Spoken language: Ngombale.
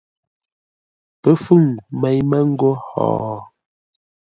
Pə́ fûŋ mêi mə́ ńgó hó?